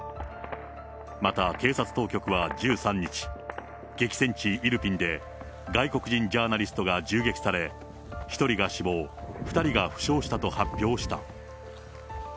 また警察当局は１３日、激戦地イルピンで、外国人ジャーナリストが銃撃され、１人が死亡、２人が負傷したと発表した。